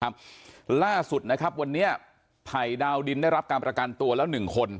ล่าสุดนะครับวันนี้ไผ่ดาวดินได้รับการประกันตัวแล้วหนึ่งคน